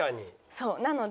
そうなので。